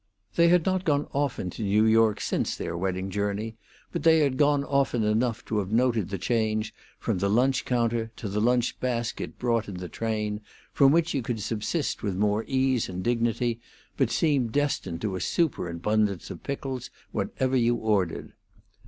They had not gone often to New York since their wedding journey, but they had gone often enough to have noted the change from the lunch counter to the lunch basket brought in the train, from which you could subsist with more ease and dignity, but seemed destined to a superabundance of pickles, whatever you ordered.